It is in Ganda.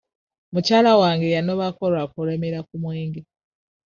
Mukyala wange yannobako lwa kulemera ku mwenge.